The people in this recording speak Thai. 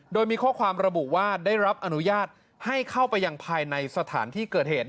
โดยมีข้อความระบุว่าได้รับอนุญาตให้เข้าไปยังภายในสถานที่เกิดเหตุ